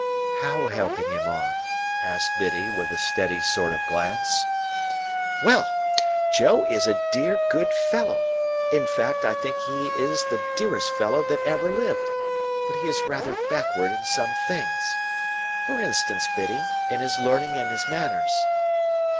"How helping him on?" asked Biddy, with a steady sort of glance. "Well! Joe is a dear good fellow,—in fact, I think he is the dearest fellow that ever lived,—but he is rather backward in some things. For instance, Biddy, in his learning and his manners."